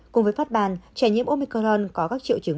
cùng với phát ban trẻ nhiễm omicron có các triệu chứng